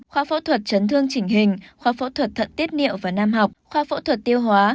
khoa phẫu thuật chấn thương chỉnh hình khoa phẫu thuật thận tiết niệu và nam học khoa phẫu thuật tiêu hóa